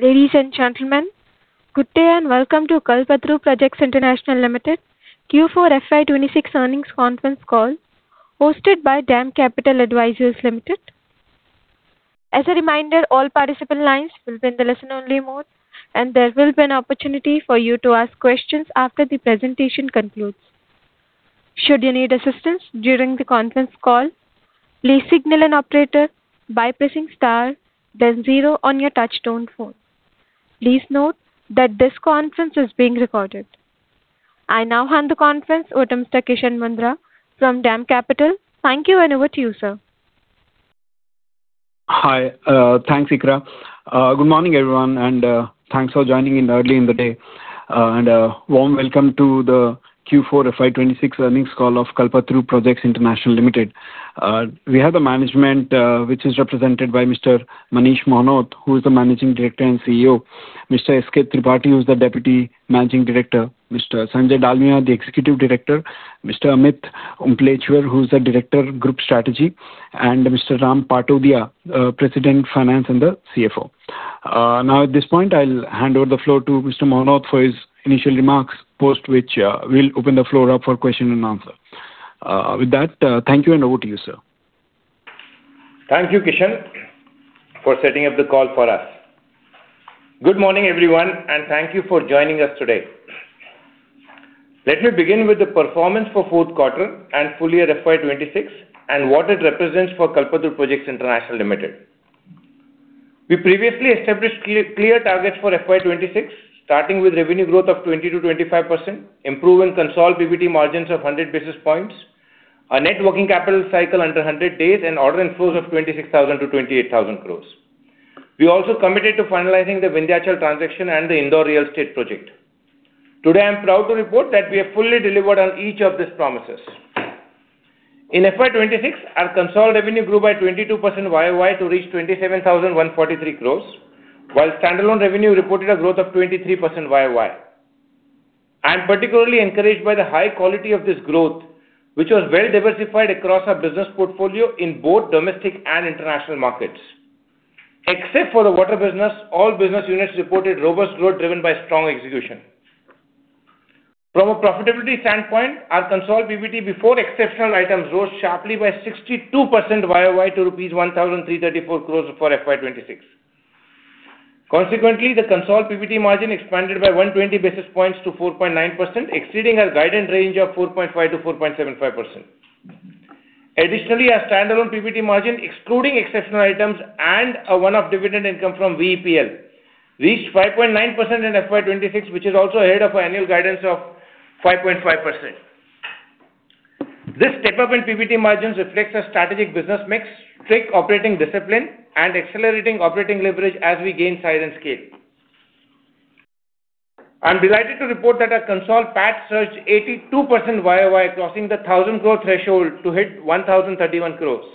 Ladies and gentlemen, good day and welcome to Kalpataru Projects International Limited Q4 FY 2026 earnings conference call hosted by DAM Capital Advisors Limited. I now hand the conference over to Mr. [Kishan Mundhra] from DAM Capital. Thank you, and over to you, sir. Hi. Thanks, [Ikra]. Good morning, everyone, thanks for joining in early in the day. A warm welcome to the Q4 FY 2026 earnings call of Kalpataru Projects International Limited. We have the management, which is represented by Mr. Manish Mohnot, who is the Managing Director and CEO. Mr. S.K. Tripathi, who is the Deputy Managing Director. Mr. Sanjay Dalmia, the Executive Director. Mr. Amit Uplenchwar, who is the Director - Strategy Business Group, and Mr. Ram Patodia, President Finance and the CFO. Now at this point I'll hand over the floor to Mr. Mohnot for his initial remarks, post which, we'll open the floor up for question and answer. With that, thank you and over to you, sir. Thank you, Kishan, for setting up the call for us. Good morning, everyone, and thank you for joining us today. Let me begin with the performance for fourth quarter and full year FY 2026 and what it represents for Kalpataru Projects International Limited. We previously established clear targets for FY 2026, starting with revenue growth of 20%-25%, improving consolidated PBT margins of 100 basis points, a net working capital cycle under 100 days and order inflows of 26,000 crore-28,000 crore. We also committed to finalizing the Vindhyachal transaction and the Indore real estate project. Today, I'm proud to report that we have fully delivered on each of these promises. In FY 2026, our consolidated revenue grew by 22% YoY to reach 27,143 crore, while standalone revenue reported a growth of 23% YoY. I'm particularly encouraged by the high quality of this growth, which was well diversified across our business portfolio in both domestic and international markets. Except for the water business, all business units reported robust growth driven by strong execution. From a profitability standpoint, our consolidated PBT before exceptional items rose sharply by 62% YoY to rupees 1,334 crores for FY 2026. Consequently, the consolidated PBT margin expanded by 120 basis points to 4.9%, exceeding our guidance range of 4.5%-4.75%. Additionally, our standalone PBT margin, excluding exceptional items and a one-off dividend income from VEPL, reached 5.9% in FY 2026, which is also ahead of our annual guidance of 5.5%. This step-up in PBT margins reflects a strategic business mix, strict operating discipline and accelerating operating leverage as we gain size and scale. I'm delighted to report that our consolidated PAT surged 82% YoY, crossing the 1,000 crore threshold to hit 1,031 crores.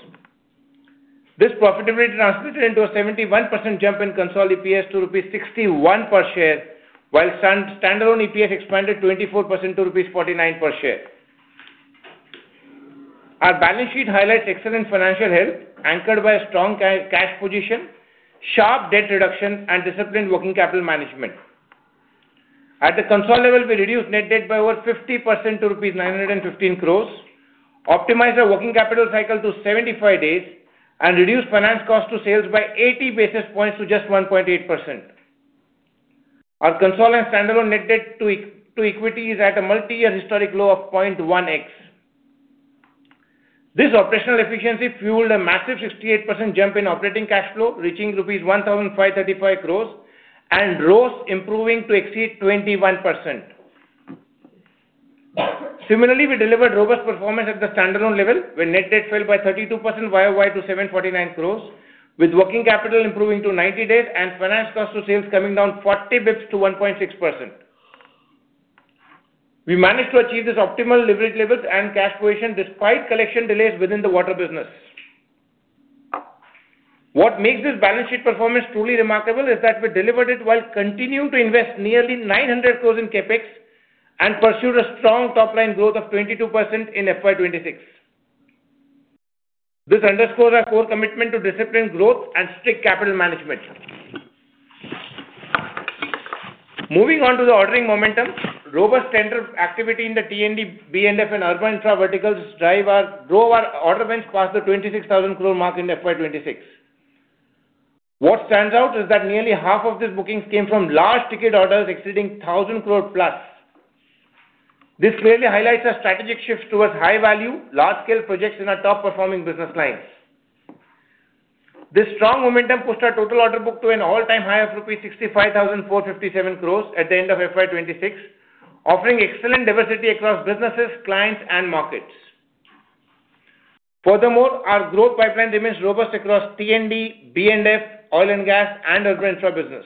This profitability transmitted into a 71% jump in consolidated EPS to INR 61 per share, while standalone EPS expanded 24% to INR 49 per share. Our balance sheet highlights excellent financial health anchored by a strong cash position, sharp debt reduction and disciplined working capital management. At the consolidated level, we reduced net debt by over 50% to rupees 915 crores, optimized our working capital cycle to 75 days and reduced finance cost to sales by 80 basis points to just 1.8%. Our consolidated and standalone net debt to equity is at a multi-year historic low of 0.1x. This operational efficiency fueled a massive 68% jump in operating cash flow, reaching rupees 1,535 crores and ROCE improving to exceed 21%. We delivered robust performance at the standalone level, where net debt fell by 32% YoY to 749 crores, with working capital improving to 90 days and finance cost to sales coming down 40 bps to 1.6%. What makes this balance sheet performance truly remarkable is that we delivered it while continuing to invest nearly 900 crores in CapEx and pursued a strong top-line growth of 22% in FY 2026. This underscores our core commitment to disciplined growth and strict capital management. Moving on to the ordering momentum. Robust tender activity in the T&D, B&F and urban infra verticals drove our order wins past the 26,000 crore mark in FY 2026. What stands out is that nearly half of these bookings came from large ticket orders exceeding 1,000 crore+. This clearly highlights our strategic shift towards high value, large scale projects in our top performing business lines. This strong momentum pushed our total order book to an all-time high of rupees 65,457 crores at the end of FY 2026, offering excellent diversity across businesses, clients and markets. Furthermore, our growth pipeline remains robust across T&D, B&F, oil and gas and urban infra business.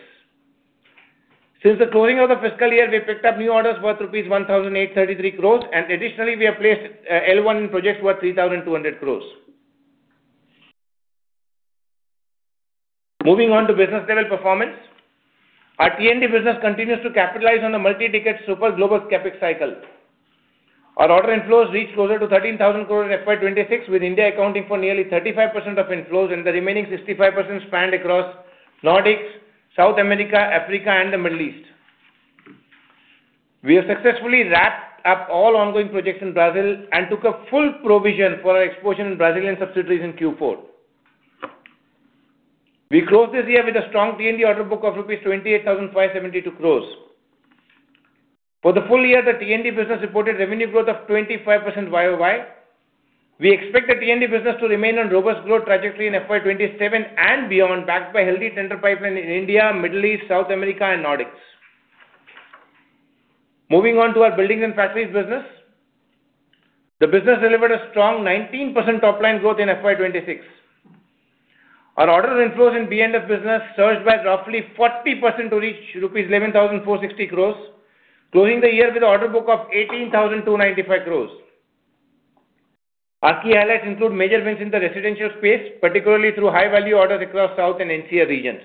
Since the closing of the fiscal year, we picked up new orders worth rupees 1,833 crores, and additionally, we have placed L1 projects worth 3,200 crores. Moving on to business level performance. Our T&D business continues to capitalize on the multi-decade super global CapEx cycle. Our order inflows reached closer to 13,000 crores in FY 2026, with India accounting for nearly 35% of inflows and the remaining 65% spanned across Nordics, South America, Africa, and the Middle East. We have successfully wrapped up all ongoing projects in Brazil and took a full provision for our exposure in Brazilian subsidiaries in Q4. We close this year with a strong T&D order book of INR 28,572 crores. For the full year, the T&D business reported revenue growth of 25% YoY. We expect the T&D business to remain on robust growth trajectory in FY 2027 and beyond, backed by healthy tender pipeline in India, Middle East, South America, and Nordics. Moving on to our buildings and factories business. The business delivered a strong 19% top-line growth in FY 2026. Our orders inflows in B&F business surged by roughly 40% to reach rupees 11,460 crores, closing the year with order book of 18,295 crores. Our key highlights include major wins in the residential space, particularly through high-value orders across South and NCR regions.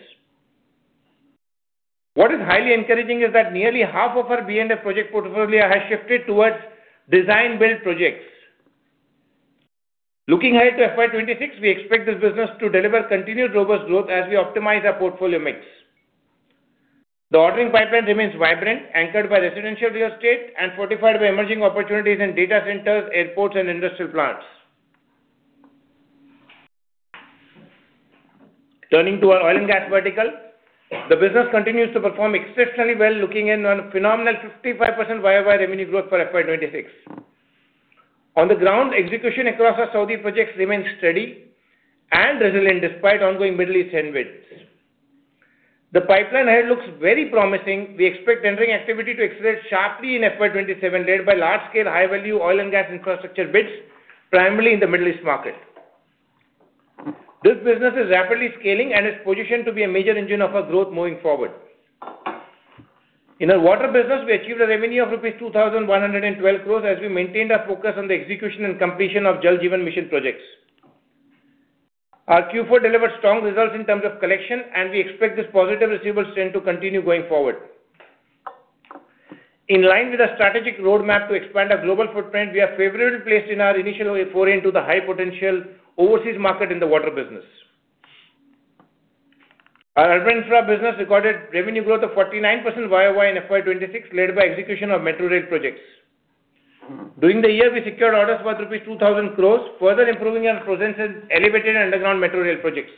What is highly encouraging is that nearly half of our B&F project portfolio has shifted towards design build projects. Looking ahead to FY 2026, we expect this business to deliver continued robust growth as we optimize our portfolio mix. The ordering pipeline remains vibrant, anchored by residential real estate and fortified by emerging opportunities in data centers, airports, and industrial plants. Turning to our oil and gas vertical. The business continues to perform exceptionally well, looking in on a phenomenal 55% YoY revenue growth for FY 2026. On the ground, execution across our Saudi projects remains steady and resilient despite ongoing Middle East headwinds. The pipeline ahead looks very promising. We expect tendering activity to accelerate sharply in FY 2027, led by large-scale high-value oil and gas infrastructure bids, primarily in the Middle East market. This business is rapidly scaling and is positioned to be a major engine of our growth moving forward. In our water business, we achieved a revenue of 2,112 crores rupees as we maintained our focus on the execution and completion of Jal Jeevan Mission projects. Our Q4 delivered strong results in terms of collection, and we expect this positive receivable trend to continue going forward. In line with our strategic roadmap to expand our global footprint, we are favorably placed in our initial foray into the high potential overseas market in the water business. Our urban infra business recorded revenue growth of 49% YoY in FY 2026, led by execution of metro rail projects. During the year, we secured orders worth rupees 2,000 crore, further improving our presence in elevated and underground metro rail projects.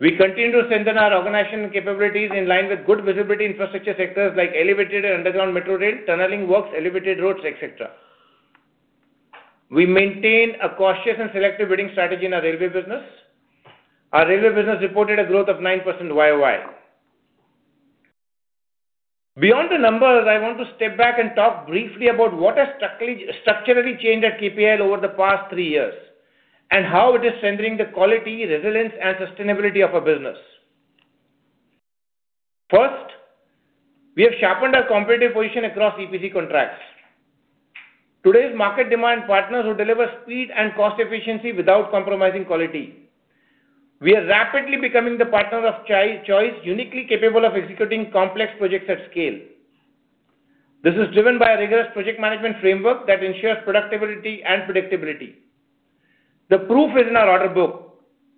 We continue to strengthen our organization capabilities in line with good visibility infrastructure sectors like elevated and underground metro rail, tunneling works, elevated roads, et cetera. We maintain a cautious and selective bidding strategy in our railway business. Our railway business reported a growth of 9% YoY. Beyond the numbers, I want to step back and talk briefly about what has structurally changed at KPIL over the past three years, and how it is strengthening the quality, resilience, and sustainability of our business. First, we have sharpened our competitive position across EPC contracts. Today's market demand partners who deliver speed and cost efficiency without compromising quality. We are rapidly becoming the partner of choice uniquely capable of executing complex projects at scale. This is driven by a rigorous project management framework that ensures productivity and predictability. The proof is in our order book.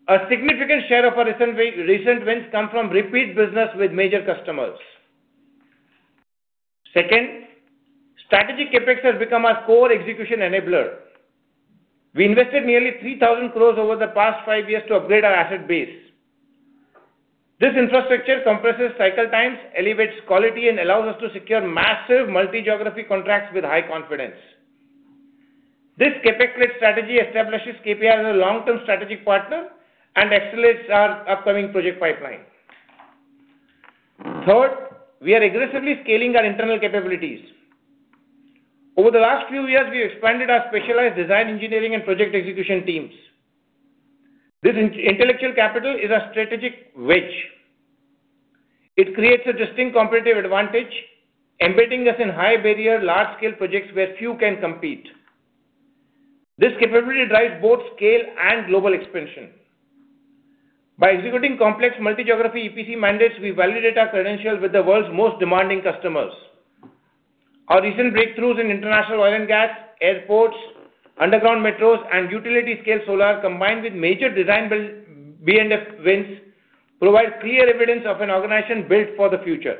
A significant share of our recent wins come from repeat business with major customers. Second, strategic CapEx has become our core execution enabler. We invested nearly 3,000 crores over the past five years to upgrade our asset base. This infrastructure compresses cycle times, elevates quality, and allows us to secure massive multi-geography contracts with high confidence. This CapEx-led strategy establishes KPIL as a long-term strategic partner and accelerates our upcoming project pipeline. Third, we are aggressively scaling our internal capabilities. Over the last few years, we expanded our specialized design engineering and project execution teams. This intellectual capital is our strategic wedge. It creates a distinct competitive advantage, embedding us in high-barrier, large-scale projects where few can compete. This capability drives both scale and global expansion. By executing complex multi-geography EPC mandates, we validate our credentials with the world's most demanding customers. Our recent breakthroughs in international oil and gas, airports, underground metros, and utility scale solar, combined with major design build B&F wins, provide clear evidence of an organization built for the future.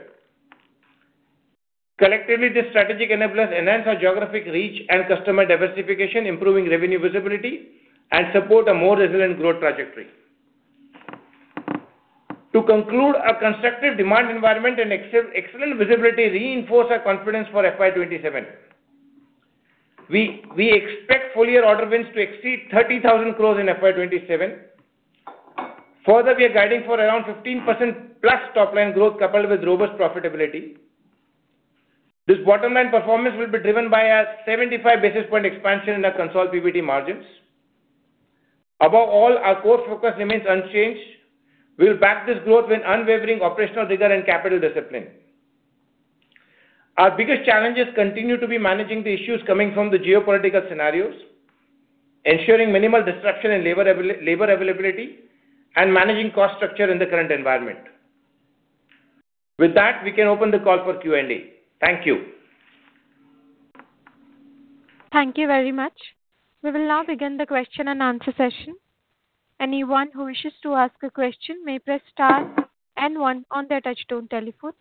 Collectively, these strategic enablers enhance our geographic reach and customer diversification, improving revenue visibility, and support a more resilient growth trajectory. To conclude, our constructive demand environment and excellent visibility reinforce our confidence for FY 2027. We expect full-year order wins to exceed 30,000 crores in FY 2027. Further, we are guiding for around 15%+ top-line growth coupled with robust profitability. This bottom-line performance will be driven by a 75 basis point expansion in our consolidated PBT margins. Above all, our core focus remains unchanged. We'll back this growth with unwavering operational rigor and capital discipline. Our biggest challenges continue to be managing the issues coming from the geopolitical scenarios, ensuring minimal disruption in labor availability, and managing cost structure in the current environment. With that, we can open the call for Q&A. Thank you. Thank you very much. We will now begin the question and answer session. Anyone who wishes to ask a question may press star one on their touch-tone telephone.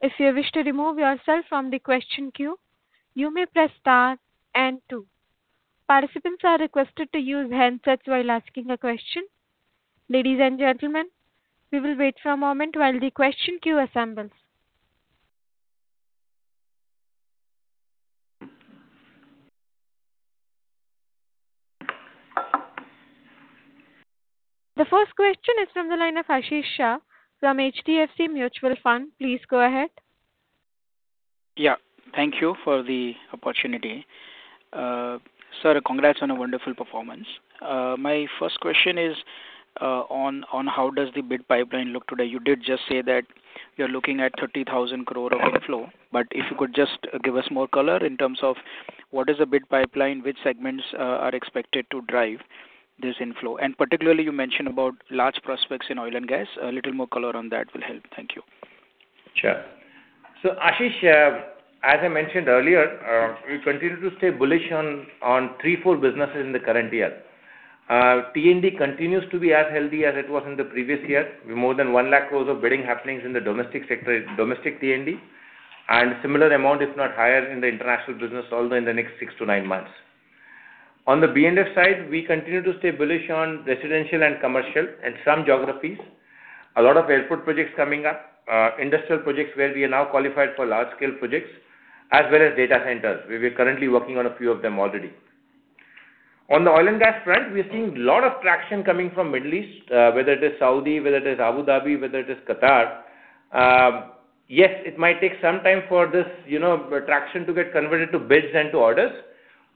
If you wish to remove yourself from the question queue, you may press star two. Participants are requested to use handsets while asking a question. Ladies and gentlemen, we will wait for a moment while the question queue assembles. The first question is from the line of Ashish Shah from HDFC Mutual Fund. Please go ahead. Yeah. Thank you for the opportunity. Sir, congrats on a wonderful performance. My first question is on how does the bid pipeline look today? You did just say that you're looking at 30,000 crore of inflow, if you could just give us more color in terms of what is a bid pipeline, which segments are expected to drive this inflow? Particularly, you mentioned about large prospects in oil and gas. A little more color on that will help. Thank you. Sure. Ashish, as I mentioned earlier, we continue to stay bullish on three, four businesses in the current year. T&D continues to be as healthy as it was in the previous year, with more than 1 lakh crore of bidding happenings in the domestic sector, domestic T&D, and similar amount, if not higher, in the international business also in the next six to nine months. On the B&F side, we continue to stay bullish on residential and commercial at some geographies. A lot of airport projects coming up, industrial projects where we are now qualified for large-scale projects, as well as data centers. We're currently working on a few of them already. On the oil and gas front, we are seeing a lot of traction coming from Middle East, whether it is Saudi, whether it is Abu Dhabi, whether it is Qatar. Yes, it might take some time for this, you know, traction to get converted to bids and to orders,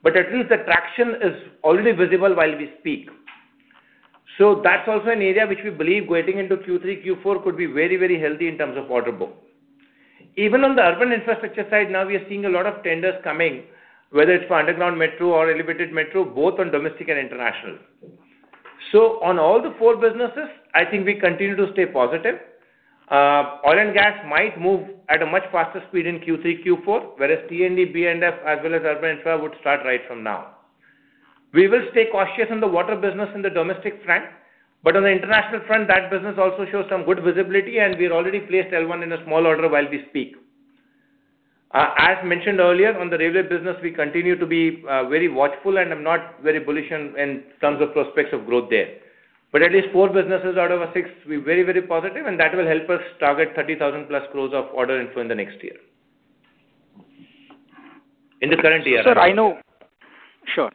but at least the traction is already visible while we speak. That's also an area which we believe going into Q3, Q4 could be very, very healthy in terms of order book. Even on the urban infrastructure side, now we are seeing a lot of tenders coming, whether it's for underground metro or elevated metro, both on domestic and international. On all the four businesses, I think we continue to stay positive. Oil and gas might move at a much faster speed in Q3, Q4, whereas T&D, B&F, as well as urban infra would start right from now. We will stay cautious on the water business in the domestic front, but on the international front, that business also shows some good visibility, and we've already placed L1 in a small order while we speak. As mentioned earlier, on the railway business, we continue to be very watchful, and I'm not very bullish in terms of prospects of growth there. At least four businesses out of our six, we're very, very positive, and that will help us target +30,000 crores of order inflow in the next year. Sure.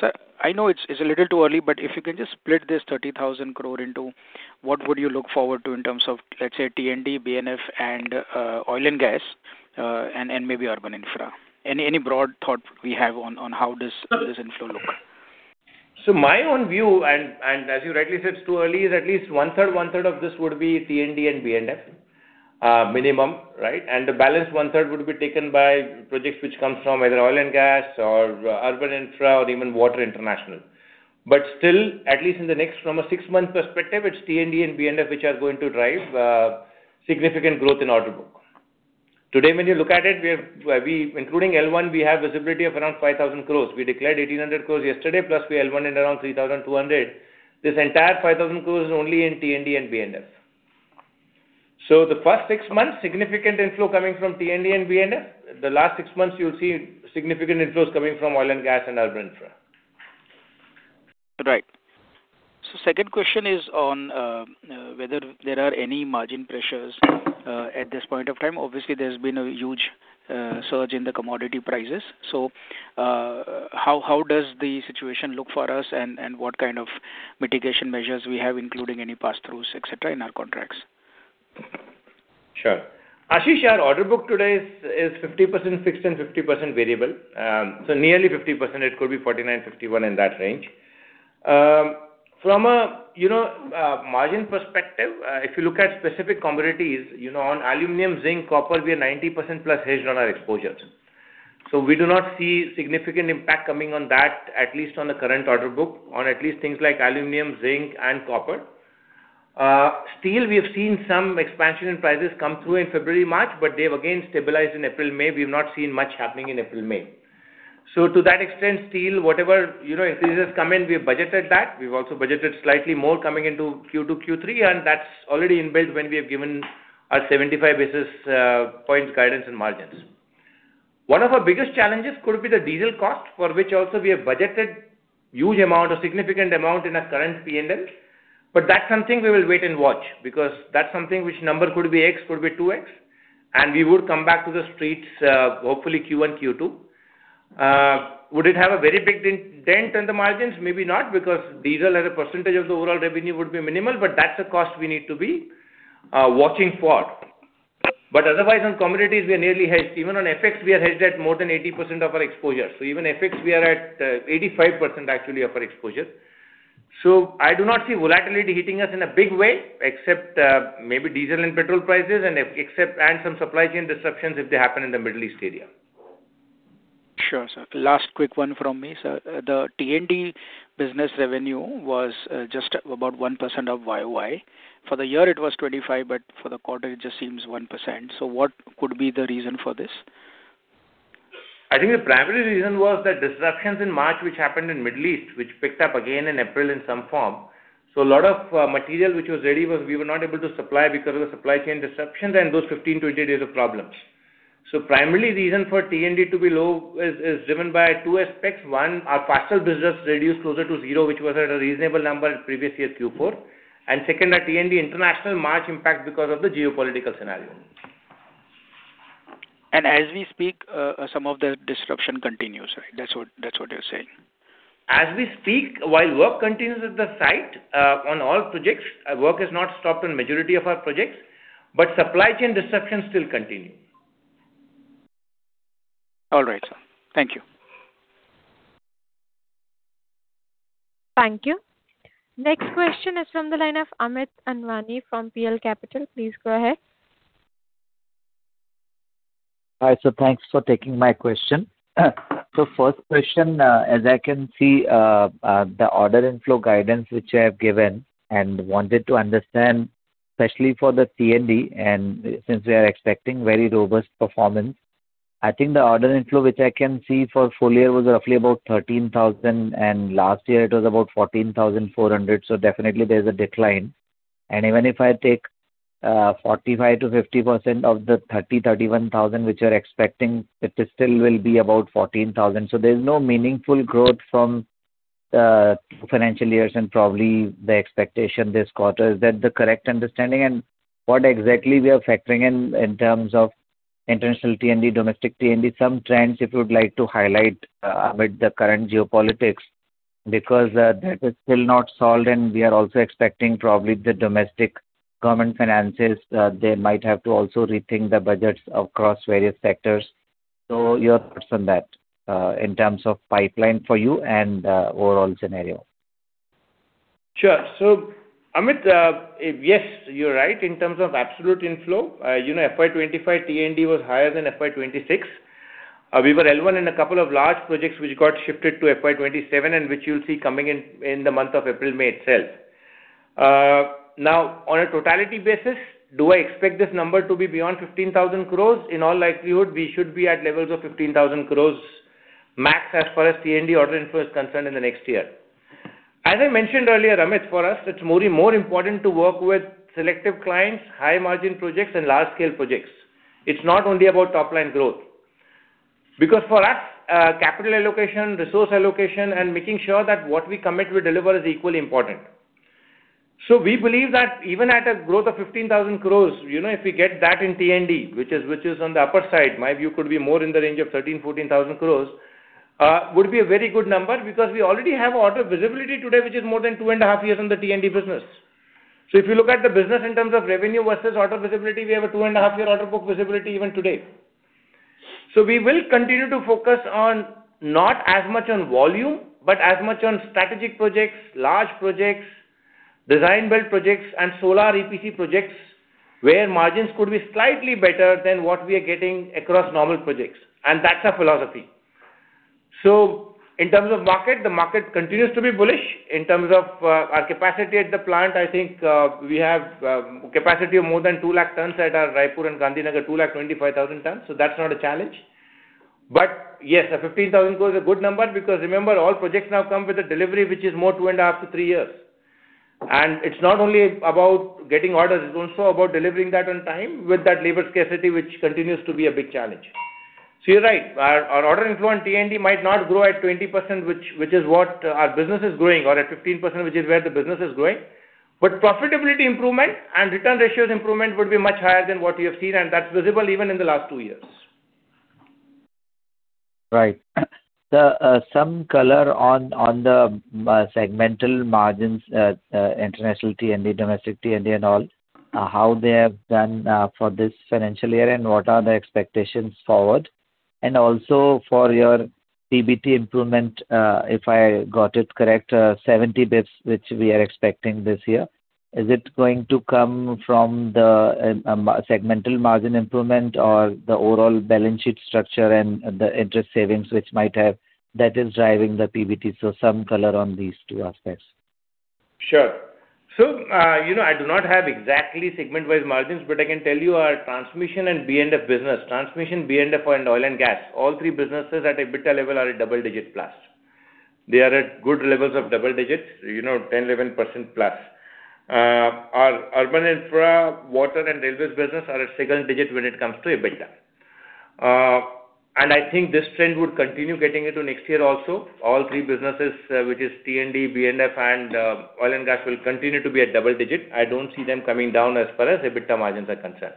Sir, I know it's a little too early. If you can just split this 30,000 crore into what would you look forward to in terms of, let's say, T&D, B&F, and oil and gas, and maybe urban infra. Any broad thought we have on how this inflow look? My own view, and as you rightly said, it's too early, is at least one-third of this would be T&D and B&F, minimum. The balance one-third would be taken by projects which comes from either oil and gas or urban infra or even water international. Still, at least from a six-month perspective, it's T&D and B&F which are going to drive significant growth in order book. Today, when you look at it, including L1, we have visibility of around 5,000 crore. We declared 1,800 crore yesterday, plus we L1-ed around 3,200 crore. This entire 5,000 crore is only in T&D and B&F. The first six months, significant inflow coming from T&D and B&F. The last six months, you'll see significant inflows coming from oil and gas and urban infra. Right. Second question is on whether there are any margin pressures at this point of time. Obviously, there's been a huge surge in the commodity prices. How does the situation look for us and what kind of mitigation measures we have, including any passthroughs, et cetera, in our contracts? Sure. Ashish, our order book today is 50% fixed and 50% variable. Nearly 50%, it could be 49, 51 in that range. From a, you know, a margin perspective, if you look at specific commodities, you know, on aluminum, zinc, copper, we are 90%+ hedged on our exposures. We do not see significant impact coming on that, at least on the current order book, on at least things like aluminum, zinc, and copper. Steel, we have seen some expansion in prices come through in February, March, but they have again stabilized in April, May. We've not seen much happening in April, May. To that extent, steel, whatever, you know, increases come in, we have budgeted that. We've also budgeted slightly more coming into Q2, Q3, and that's already inbuilt when we have given our 75 basis points guidance in margins. One of our biggest challenges could be the diesel cost, for which also we have budgeted huge amount or significant amount in our current P&L. That's something we will wait and watch because that's something which number could be X, could be 2x, and we would come back to the streets, hopefully Q1, Q2. Would it have a very big dent in the margins? Maybe not, because diesel as a % of the overall revenue would be minimal, but that's a cost we need to be watching for. Otherwise, on commodities, we are nearly hedged. Even on FX, we are hedged at more than 80% of our exposure. Even FX, we are at 85% actually of our exposure. I do not see volatility hitting us in a big way, except maybe diesel and petrol prices and some supply chain disruptions if they happen in the Middle East area. Sure, sir. Last quick one from me, sir. The T&D business revenue was just about 1% of YoY. For the year it was 25%, for the quarter it just seems 1%. What could be the reason for this? I think the primary reason was that disruptions in March, which happened in Middle East, which picked up again in April in some form. A lot of material which was ready was we were not able to supply because of the supply chain disruptions and those 15 to 20 days of problems. Primarily reason for T&D to be low is driven by two aspects. One, our Fasttel business reduced closer to 0, which was at a reasonable number in previous year Q4. Second, our T&D International March impact because of the geopolitical scenario. As we speak, some of the disruption continues, right? That's what you're saying. As we speak, while work continues at the site, on all projects, work has not stopped on majority of our projects, but supply chain disruptions still continue. All right, sir. Thank you. Thank you. Next question is from the line of Amit Anwani from PL Capital. Please go ahead. Hi, sir. Thanks for taking my question. First question, as I can see, the order inflow guidance which you have given and wanted to understand, especially for the T&D and since we are expecting very robust performance, I think the order inflow which I can see for full year was roughly about 13,000, and last year it was about 14,400. Definitely there's a decline. Even if I take 45%-50% of the 31,000, which you're expecting, it still will be about 14,000. Definitely there's no meaningful growth from financial years and probably the expectation this quarter. Is that the correct understanding? What exactly we are factoring in terms of international T&D, domestic T&D? Some trends, if you would like to highlight, with the current geopolitics, because that is still not solved and we are also expecting probably the domestic government finances, they might have to also rethink the budgets across various sectors. Your thoughts on that, in terms of pipeline for you and overall scenario? Amit, yes, you're right in terms of absolute inflow. You know, FY 2025 T&D was higher than FY 2026. We were L1 in a couple of large projects which got shifted to FY 2027 and which you'll see coming in the month of April, May itself. Now on a totality basis, do I expect this number to be beyond 15,000 crores? In all likelihood, we should be at levels of 15,000 crores max as far as T&D order inflow is concerned in the next year. As I mentioned earlier, Amit, for us it's more important to work with selective clients, high margin projects and large scale projects. It's not only about top line growth. For us, capital allocation, resource allocation, and making sure that what we commit we deliver is equally important. We believe that even at a growth of 15,000 crores, you know, if we get that in T&D, which is, which is on the upper side, my view could be more in the range of 13,000 crores-14,000 crores, would be a very good number because we already have order visibility today, which is more than two and a half years on the T&D business. If you look at the business in terms of revenue versus order visibility, we have a two-and-a-half-year order book visibility even today. We will continue to focus on not as much on volume, but as much on strategic projects, large projects, design build projects and solar EPC projects, where margins could be slightly better than what we are getting across normal projects, and that's our philosophy. In terms of market, the market continues to be bullish. In terms of our capacity at the plant, I think, we have capacity of more than 2 lakh tons at our Raipur and Gandhinagar, 2 lakh 25,000 tons, so that's not a challenge. Yes, a 15,000 crore is a good number because remember all projects now come with a delivery which is more 2.5 to 3 years. It's not only about getting orders, it's also about delivering that on time with that labor scarcity which continues to be a big challenge. You're right, our order inflow on T&D might not grow at 20%, which is what our business is growing or at 15%, which is where the business is growing. Profitability improvement and return ratios improvement would be much higher than what you have seen, and that's visible even in the last two years. Right. Some color on the segmental margins, international T&D, domestic T&D and all, how they have done for this financial year and what are the expectations forward? Also for your PBT improvement, if I got it correct, 70 basis points which we are expecting this year, is it going to come from the segmental margin improvement or the overall balance sheet structure and the interest savings that is driving the PBT? Some color on these two aspects. Sure. you know, I do not have exactly segment-wise margins, but I can tell you our transmission and B&F business, transmission, B&F and oil and gas, all three businesses at EBITDA level are at double-digit plus. They are at good levels of double digits, you know, 10, 11%+. Our urban infra, water and railways business are at single-digit when it comes to EBITDA. I think this trend would continue getting into next year also. All three businesses, which is T&D, B&F and oil and gas will continue to be at double-digit. I don't see them coming down as far as EBITDA margins are concerned.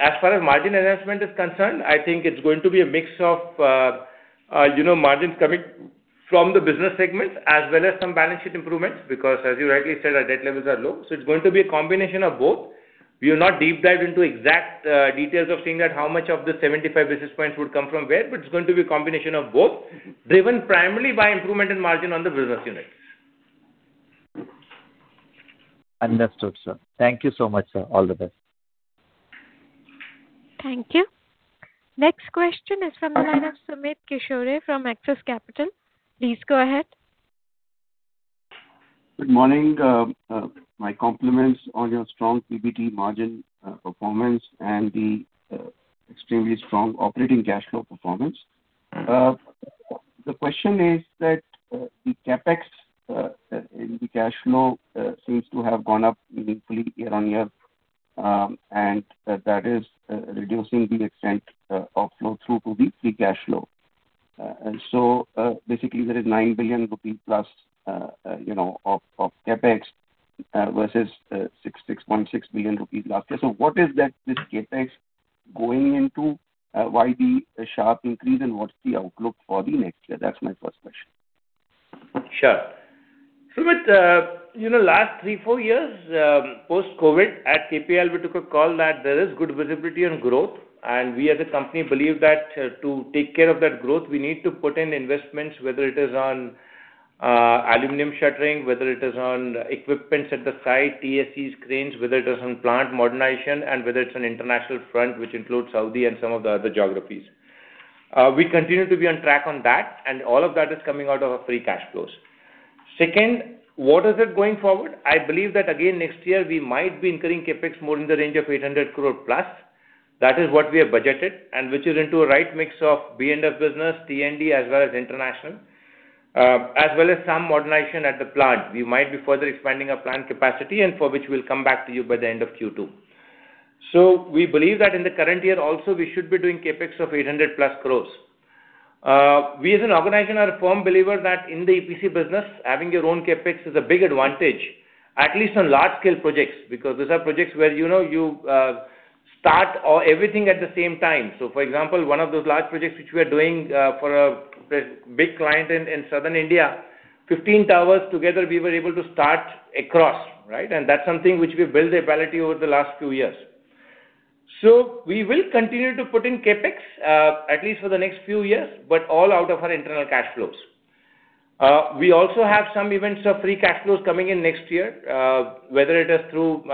As far as margin enhancement is concerned, I think it's going to be a mix of, you know, margins coming from the business segments as well as some balance sheet improvements, because as you rightly said, our debt levels are low. It's going to be a combination of both. We have not deep dived into exact details of seeing that how much of the 75 basis points would come from where, but it's going to be a combination of both, driven primarily by improvement in margin on the business units. Understood, sir. Thank you so much, sir. All the best. Thank you. Next question is from the line of Sumit Kishore from Axis Capital. Please go ahead. Good morning. My compliments on your strong PBT margin performance and the extremely strong operating cash flow performance. The question is that the CapEx in the cash flow seems to have gone up meaningfully year-on-year, reducing the extent of flow through to the free cash flow. Basically there is 9 billion rupee+ of CapEx versus 6.6 billion rupees last year. What is that this CapEx going into? Why the sharp increase and what's the outlook for the next year? That's my first question. Sure. Sumit, you know, last three, four years, post-COVID at KPIL, we took a call that there is good visibility on growth, and we as a company believe that to take care of that growth, we need to put in investments, whether it is on aluminum shuttering, whether it is on equipments at the site, TSE screens, whether it is on plant modernization and whether it's on international front, which includes Saudi and some of the other geographies. We continue to be on track on that, and all of that is coming out of our free cash flows. Second, what is it going forward? I believe that again, next year we might be incurring CapEx more in the range of 800 crore+. That is what we have budgeted, which is into a right mix of B&F business, T&D as well as international, as well as some modernization at the plant. We might be further expanding our plant capacity and for which we will come back to you by the end of Q2. We believe that in the current year also we should be doing CapEx of 800+ crores. We as an organization are a firm believer that in the EPC business, having your own CapEx is a big advantage, at least on large scale projects, because those are projects where, you know, you start everything at the same time. For example, one of those large projects which we are doing for a big client in Southern India, 15 towers together we were able to start across, right? That's something which we've built the ability over the last two years. We will continue to put in CapEx at least for the next few years, but all out of our internal cash flows. We also have some events of free cash flows coming in next year, whether it is through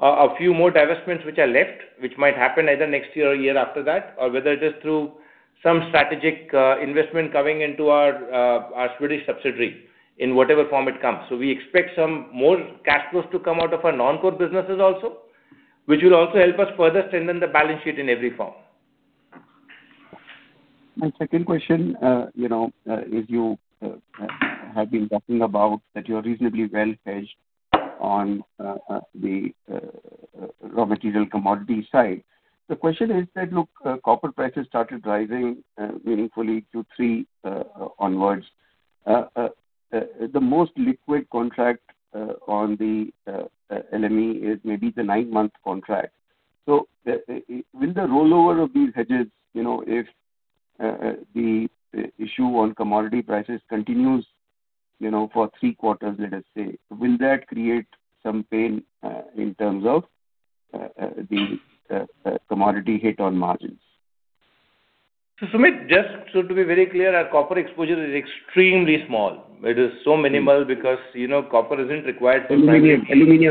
a few more divestments which are left, which might happen either next year or year after that, or whether it is through some strategic investment coming into our Swedish subsidiary in whatever form it comes. We expect some more cash flows to come out of our non-core businesses also, which will also help us further strengthen the balance sheet in every form. My second question, you know, is you have been talking about that you're reasonably well hedged on the raw material commodity side. The question is that, look, copper prices started rising meaningfully Q3 onwards. The most liquid contract on the LME is maybe the nine month contract. Will the rollover of these hedges, you know, if the issue on commodity prices continues, you know, for 3 quarters let us say, will that create some pain in terms of the commodity hit on margins? Sumit, just so to be very clear, our copper exposure is extremely small. It is so minimal because, you know, copper isn't required. Aluminum.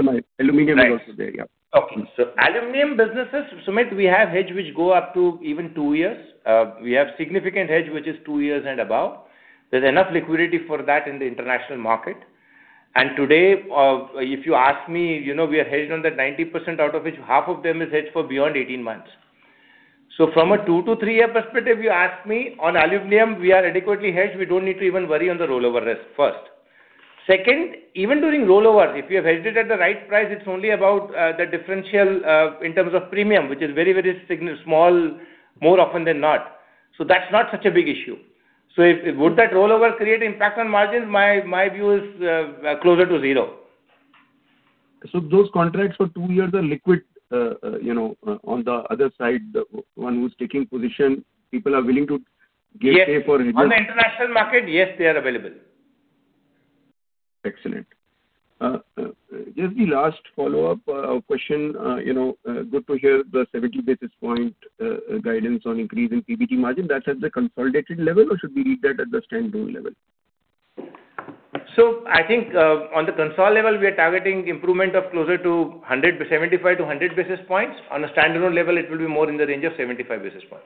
Right. Aluminum is also there, yeah. Okay. Aluminum businesses, Sumit we have hedge which go up to even two years. We have significant hedge which is two years and above. There's enough liquidity for that in the international market. Today, if you ask me, you know, we are hedged on the 90% out of which half of them is hedged for beyond 18 months. From a two to three year perspective, you ask me, on aluminum we are adequately hedged. We don't need to even worry on the rollover risk, first. Second, even during rollover, if you have hedged it at the right price, it's only about the differential in terms of premium, which is very, very small more often than not. That's not such a big issue. If would that rollover create impact on margins? My view is closer to zero. Those contracts for two years are liquid, you know, on the other side, the one who's taking position, people are willing to give pay for hedge? Yes. On the international market, yes, they are available. Excellent. Just the last follow-up question, you know, good to hear the 70 basis point guidance on increase in PBT margin. That's at the consolidated level or should we read that at the standalone level? I think, on the console level, we are targeting improvement of closer to 100, 75-100 basis points. On a standalone level, it will be more in the range of 75 basis points.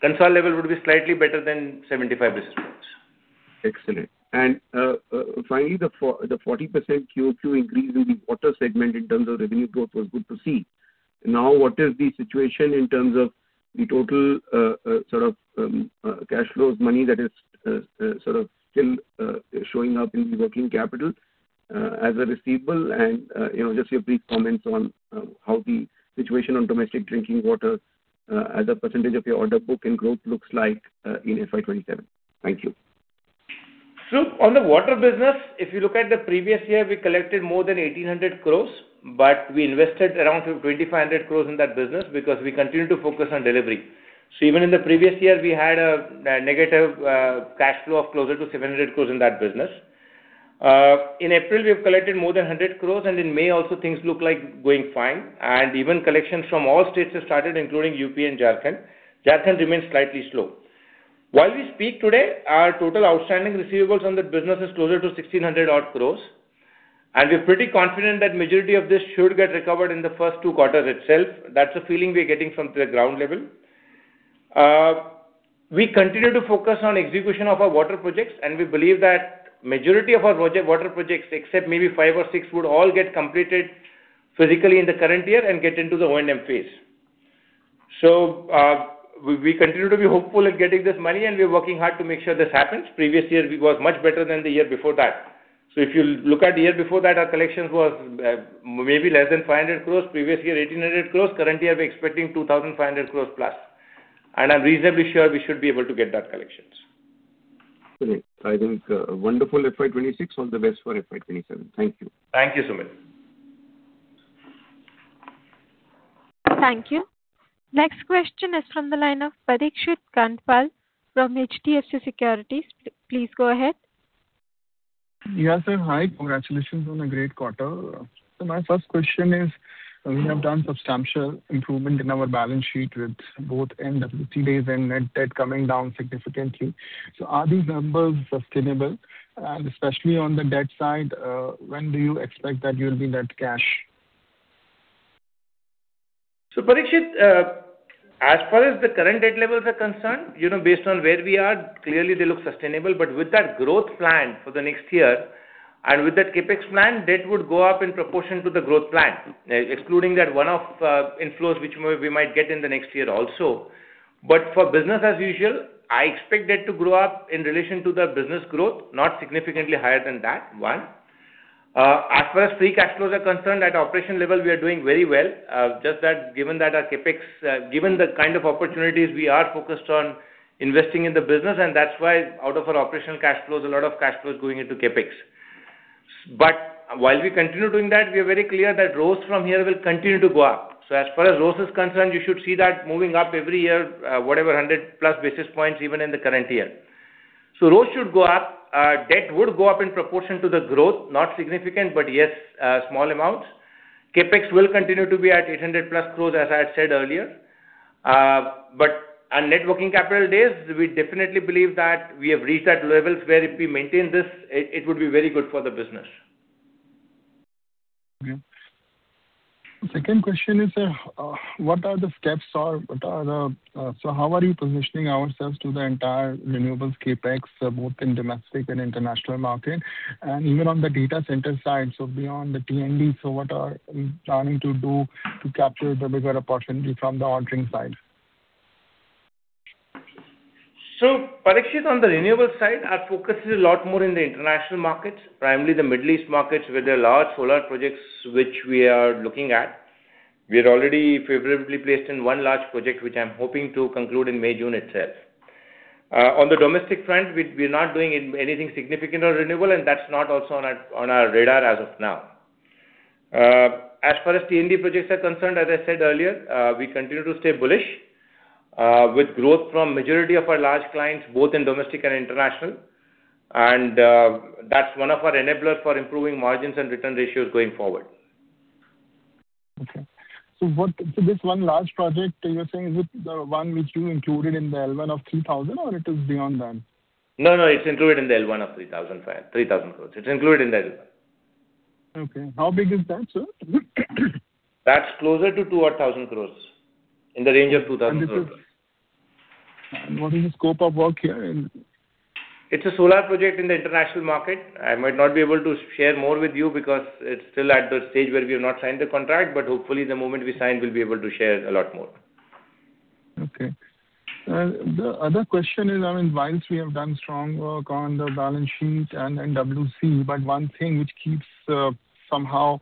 Console level would be slightly better than 75 basis points. Excellent. Finally, the 40% QoQ increase in the water segment in terms of revenue growth was good to see. Now, what is the situation in terms of the total sort of cash flows money that is sort of still showing up in the working capital as a receivable and, you know, just your brief comments on how the situation on domestic drinking water as a percentage of your order book and growth looks like in FY 2027. Thank you. On the water business, if you look at the previous year, we collected more than 1,800 crores, but we invested around 2,500 crores in that business because we continue to focus on delivery. Even in the previous year, we had a negative cash flow of closer to 700 crores in that business. In April, we have collected more than 100 crores, and in May also things look like going fine. Even collections from all states have started, including U.P. and Jharkhand. Jharkhand remains slightly slow. While we speak today, our total outstanding receivables on the business is closer to 1,600 odd crores, and we're pretty confident that majority of this should get recovered in the first 2 quarters itself. That's the feeling we're getting from the ground level. We continue to focus on execution of our water projects, and we believe that majority of our water projects, except maybe 5 or 6, would all get completed physically in the current year and get into the O&M phase. We continue to be hopeful at getting this money, and we're working hard to make sure this happens. Previous year it was much better than the year before that. If you look at the year before that, our collections was, maybe less than 500 crores. Previous year, 1,800 crores. Currently, we're expecting 2,500 crores plus. I'm reasonably sure we should be able to get that collections. Great. I think, wonderful FY 2026. All the best for FY 2027. Thank you. Thank you, Sumit. Thank you. Next question is from the line of Parikshit Kandpal from HDFC Securities. Please go ahead. Yeah, sir. Hi. Congratulations on a great quarter. My first question is, we have done substantial improvement in our balance sheet with both NWC days and net debt coming down significantly. Are these numbers sustainable? Especially on the debt side, when do you expect that you'll be net cash? Parikshit, as far as the current debt levels are concerned, you know, based on where we are, clearly they look sustainable. With that growth plan for the next year, and with that CapEx plan, debt would go up in proportion to the growth plan, excluding that one-off inflows which we might get in the next year also. For business as usual, I expect debt to grow up in relation to the business growth, not significantly higher than that, one. As far as free cash flows are concerned, at operation level we are doing very well. Just that given that our CapEx given the kind of opportunities we are focused on investing in the business, and that's why out of our operational cash flows, a lot of cash flow is going into CapEx. While we continue doing that, we are very clear that ROCE from here will continue to go up. As far as ROCE is concerned, you should see that moving up every year, whatever, 100+ basis points even in the current year. ROCE should go up. Our debt would go up in proportion to the growth. Not significant, but yes, small amounts. CapEx will continue to be at 800+ crores, as I said earlier. Our net working capital days, we definitely believe that we have reached at levels where if we maintain this, it would be very good for the business. Okay. Second question is, what are the steps or how are you positioning ourselves to the entire renewables CapEx, both in domestic and international market? Even on the data center side, beyond the T&D, what are we planning to do to capture the bigger opportunity from the ordering side? Parikshit, on the renewable side, our focus is a lot more in the international markets, primarily the Middle East markets, where there are large solar projects which we are looking at. We're already favorably placed in one large project, which I'm hoping to conclude in May, June itself. On the domestic front, we're not doing anything significant on renewable, and that's not also on our, on our radar as of now. As far as T&D projects are concerned, as I said earlier, we continue to stay bullish, with growth from majority of our large clients, both in domestic and international. That's one of our enablers for improving margins and return ratios going forward. Okay. This one large project you're saying, is it the one which you included in the L1 of 3,000, or it is beyond that? No, no, it's included in the L one of 3,005, 3,000 crores. It's included in the L one. Okay. How big is that, sir? That's closer to 200,000 crores. In the range of 2,000 crores. What is the scope of work here? It's a solar project in the international market. I might not be able to share more with you because it's still at the stage where we have not signed the contract. Hopefully, the moment we sign, we'll be able to share a lot more. Okay. The other question is, I mean, whilst we have done strong work on the balance sheet and NWC, one thing which keeps, somehow,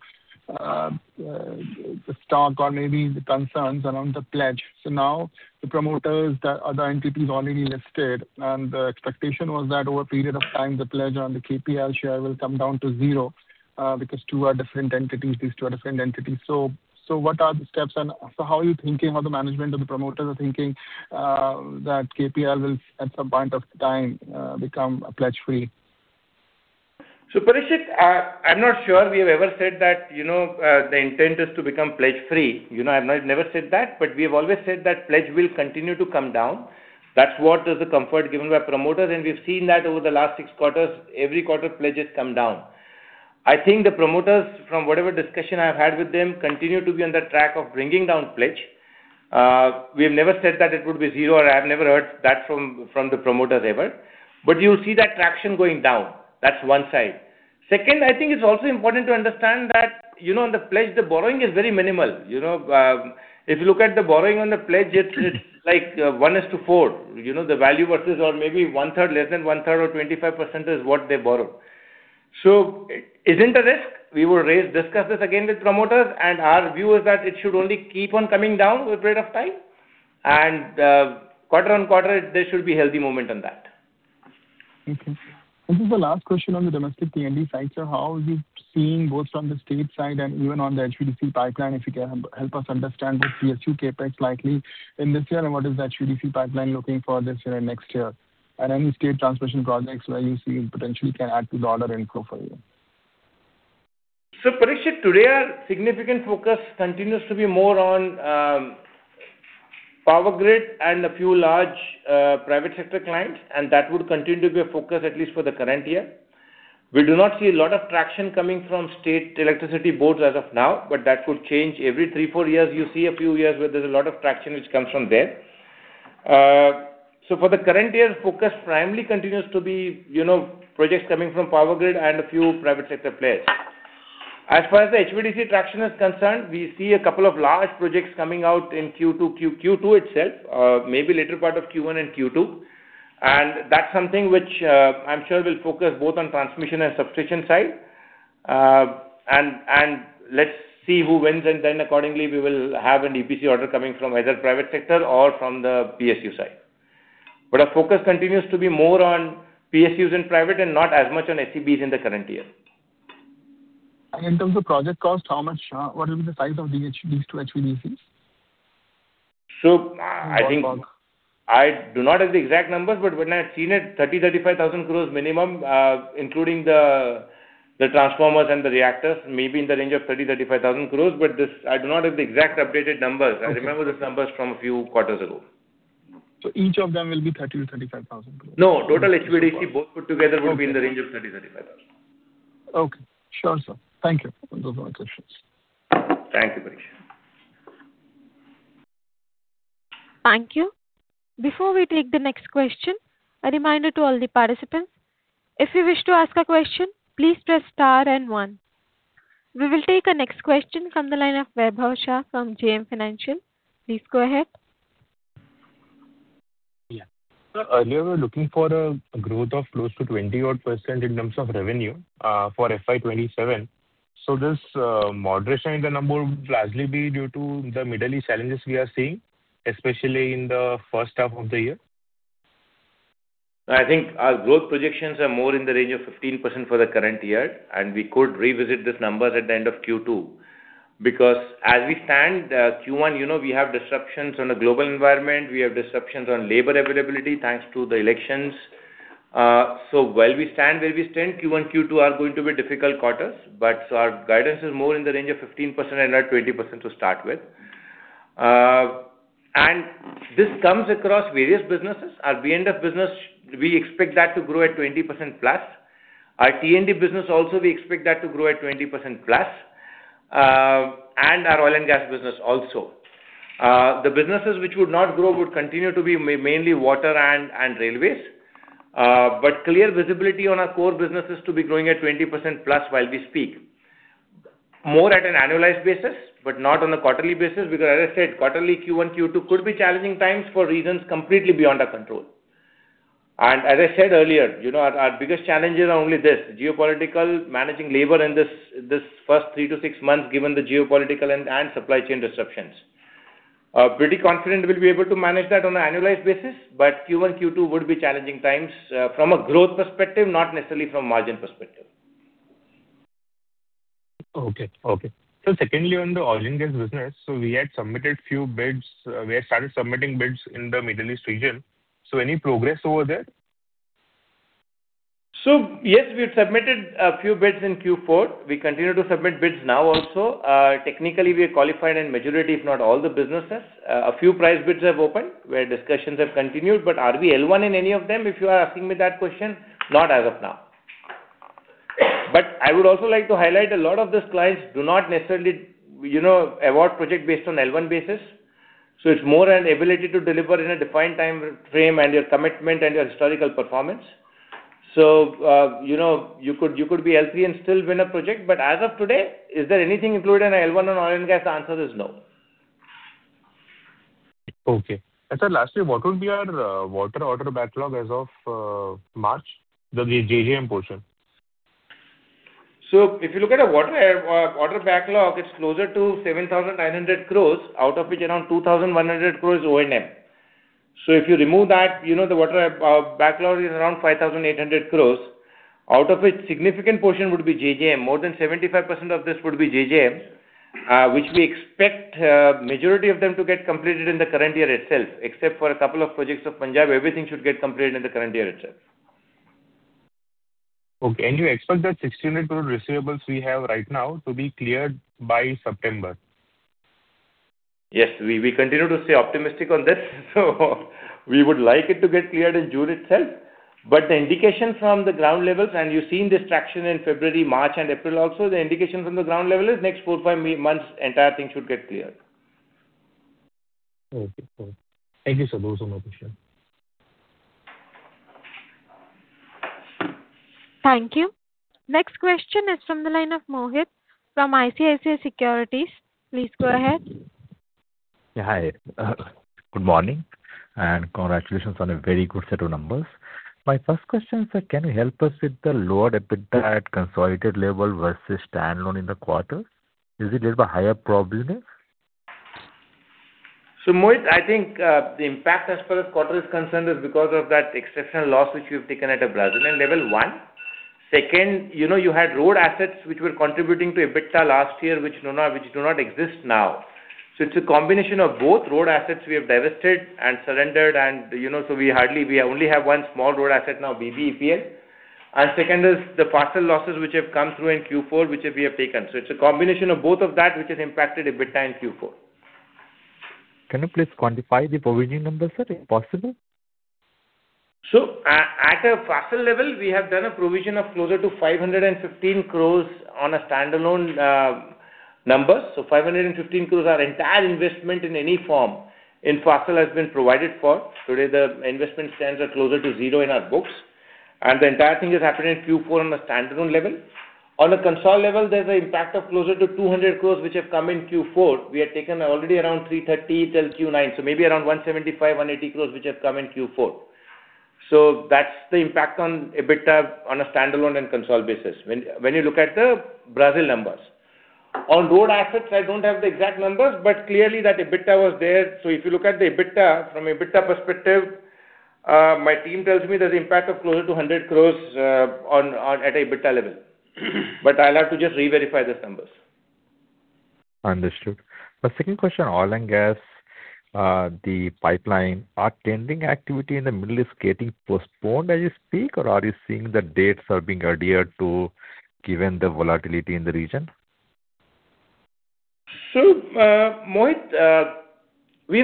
the stock or maybe the concerns around the pledge. Now the promoters, the other entities already listed, and the expectation was that over a period of time, the pledge on the KPIL share will come down to zero, because two are different entities. These two are different entities. What are the steps and so how are you thinking, how the management or the promoters are thinking, that KPIL will at some point of time, become a pledge free? Parikshit, I'm not sure we have ever said that, you know, the intent is to become pledge free. You know, I've never said that, we have always said that pledge will continue to come down. That's what is the comfort given by promoters, we've seen that over the last six quarters. Every quarter, pledges come down. I think the promoters, from whatever discussion I've had with them, continue to be on the track of bringing down pledge. We have never said that it would be zero, or I have never heard that from the promoters ever. You'll see that traction going down. That's one side. Second, I think it's also important to understand that, you know, on the pledge, the borrowing is very minimal. You know, if you look at the borrowing on the pledge, it's like one is to four. You know, the value versus or maybe one-third, less than one-third or 25% is what they borrow. So it isn't a risk. We will discuss this again with promoters, and our view is that it should only keep on coming down with a period of time. Quarter-on-quarter, there should be healthy movement on that. Okay. This is the last question on the domestic T&D side, sir. How is it seeing both on the state side and even on the HVDC pipeline, if you can help us understand the PSU CapEx likely in this year, and what is the HVDC pipeline looking for this year and next year? Any state transmission projects where you see potentially can add to the order inflow for you? Parikshit, today our significant focus continues to be more on Power Grid and a few large private sector clients, and that would continue to be a focus at least for the current year. We do not see a lot of traction coming from State Electricity Boards as of now, but that could change. Every three, four years, you see a few years where there's a lot of traction which comes from there. For the current year, focus primarily continues to be, you know, projects coming from Power Grid and a few private sector players. As far as the HVDC traction is concerned, we see a couple of large projects coming out in Q2 itself, maybe later part of Q1 and Q2. That's something which I'm sure will focus both on transmission and substation side. Let's see who wins, then accordingly we will have an EPC order coming from either private sector or from the PSU side. Our focus continues to be more on PSUs and private and not as much on SEBs in the current year. In terms of project cost, how much, what will be the size of these two HVDCs? So, uh, I think- In what terms? I do not have the exact numbers, but when I've seen it, 30,000 crore-35,000 crores minimum, including the transformers and the reactors, maybe in the range of 30,000 crores-35,000 crores. This I do not have the exact updated numbers. Okay. I remember these numbers from a few quarters ago. Each of them will be 30,000 crore-35,000 crore. No, total HVDC both put together. Okay would be in the range of 30,000 crores-35,000 crores. Okay. Sure, sir. Thank you. Those were my questions. Thank you, Parikshit Kandpal. Thank you. Before we take the next question, a reminder to all the participants. If you wish to ask a question, please press star and one. We will take our next question from the line of Vaibhav Shah from JM Financial. Please go ahead. Yeah. Sir, earlier we were looking for a growth of close to 20% odd in terms of revenue for FY 2027. This moderation in the number would largely be due to the Middle East challenges we are seeing, especially in the first half of the year? I think our growth projections are more in the range of 15% for the current year, and we could revisit these numbers at the end of Q2. Because as we stand, Q1, you know, we have disruptions on a global environment, we have disruptions on labor availability, thanks to the elections. Where we stand, Q1, Q2 are going to be difficult quarters. Our guidance is more in the range of 15% and not 20% to start with. This comes across various businesses. Our B&F business, we expect that to grow at 20% plus. Our T&D business also, we expect that to grow at 20%+, our oil and gas business also. The businesses which would not grow would continue to be mainly water and railways. Clear visibility on our core business is to be growing at 20% plus while we speak. More at an annualized basis, but not on a quarterly basis, because as I said, quarterly Q1, Q2 could be challenging times for reasons completely beyond our control. As I said earlier, you know, our biggest challenges are only this, geopolitical, managing labor in this first three to six months, given the geopolitical and supply chain disruptions. Pretty confident we'll be able to manage that on an annualized basis, Q1, Q2 would be challenging times from a growth perspective, not necessarily from margin perspective. Okay. Okay. Secondly, on the oil and gas business, so we had submitted few bids. We have started submitting bids in the Middle East region. Any progress over there? Yes, we've submitted a few bids in Q4. We continue to submit bids now also. Technically we are qualified in majority if not all the businesses. A few price bids have opened, where discussions have continued. Are we L1 in any of them, if you are asking me that question? Not as of now. I would also like to highlight, a lot of these clients do not necessarily, you know, award project based on L1 basis. It's more an ability to deliver in a defined timeframe and your commitment and your historical performance. You know, you could be L3 and still win a project. As of today, is there anything included in L1 on oil and gas? The answer is no. Okay. Sir, lastly, what would be our water order backlog as of March, the JJM portion? If you look at our water backlog, it's closer to 7,900 crores, out of which around 2,100 crores O&M. If you remove that, you know, the water, backlog is around 5,800 crores, out of which significant portion would be JJM. More than 75% of this would be JJM, which we expect, majority of them to get completed in the current year itself. Except for a couple of projects of Punjab, everything should get completed in the current year itself. Okay. You expect that 1,600 crore receivables we have right now to be cleared by September? Yes. We continue to stay optimistic on this. We would like it to get cleared in June itself. The indication from the ground levels, and you've seen this traction in February, March and April also, the indication from the ground level is next four, five months entire thing should get cleared. Okay. Cool. Thank you, sir. Those were my questions. Thank you. Next question is from the line of Mohit from ICICI Securities. Please go ahead. Yeah, hi. Good morning. Congratulations on a very good set of numbers. My first question, sir, can you help us with the lower EBITDA at consolidated level versus standalone in the quarter? Is it due to higher provisions? Mohit, I think the impact as far as quarter is concerned is because of that exceptional loss which we have taken at a Brazilian level, one. Second, you know, you had road assets which were contributing to EBITDA last year, which do not exist now. It's a combination of both road assets we have divested and surrendered and, you know, so we only have one small road asset now, BBPL. Second is the Fasttel losses which have come through in Q4, which we have taken. It's a combination of both of that which has impacted EBITDA in Q4. Can you please quantify the provisioning number, sir, if possible? At a Fasttel level, we have done a provision of closer to 515 crores on a standalone number. 515 crores, our entire investment in any form in Fasttel has been provided for. Today, the investment stands at closer to zero in our books, and the entire thing has happened in Q4 on a standalone level. On a console level, there's an impact of closer to 200 crores which have come in Q4. We had taken already around 330 till Q3, maybe around 175 crores-180 crores which have come in Q4. That's the impact on EBITDA on a standalone and console basis when you look at the Brazil numbers. On road assets, I don't have the exact numbers, but clearly that EBITDA was there. If you look at the EBITDA, from EBITDA perspective, my team tells me there's impact of closer to 100 crores at EBITDA level. I'll have to just reverify those numbers. Understood. My second question, oil and gas, the pipeline. Are tendering activity in the Middle East getting postponed as you speak, or are you seeing the dates are being adhered to given the volatility in the region? Mohit, we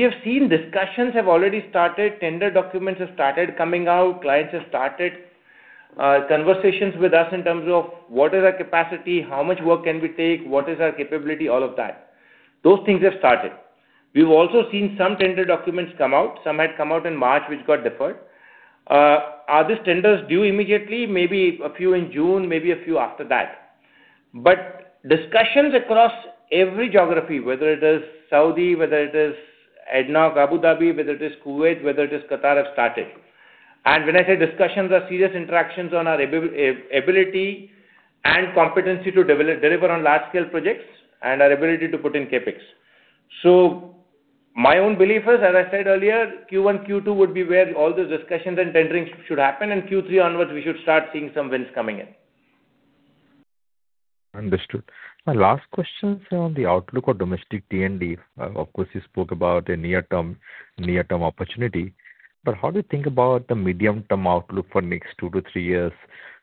have seen discussions have already started. Tender documents have started coming out. Clients have started conversations with us in terms of what is our capacity, how much work can we take, what is our capability, all of that. Those things have started. We've also seen some tender documents come out. Some had come out in March, which got deferred. Are these tenders due immediately? Maybe a few in June, maybe a few after that. Discussions across every geography, whether it is Saudi, whether it is ADNOC Abu Dhabi, whether it is Kuwait, whether it is Qatar, have started. When I say discussions, are serious interactions on our ability and competency to deliver on large scale projects and our ability to put in CapEx. My own belief is, as I said earlier, Q1, Q2 would be where all those discussions and tendering should happen, and Q3 onwards, we should start seeing some wins coming in. Understood. My last question, sir, on the outlook of domestic T&D. Of course, you spoke about a near-term opportunity, how do you think about the medium-term outlook for next two to three years?